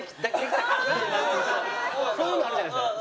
そういうのあるじゃないですか。